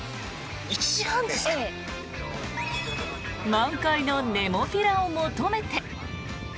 満開のネモフィラを求めて。